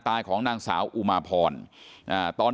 แล้วก็ช่วยกันนำนายธีรวรรษส่งโรงพยาบาล